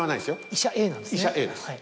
医者Ａなんですね。